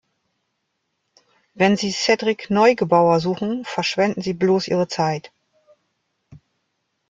Wenn Sie Cedric Neugebauer suchen, verschwenden Sie bloß Ihre Zeit.